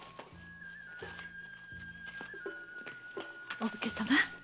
お武家様。